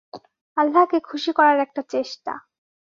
আল্লাহকে খুশি করার একটা চেষ্টা।